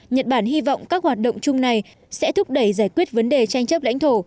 nhật bản hy vọng các hoạt động chung này sẽ thúc đẩy giải quyết vấn đề tranh chấp lãnh thổ